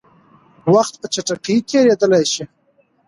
وخت په چټکۍ تېرېدلی شي.